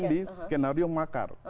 oke artinya ada semua skenario makar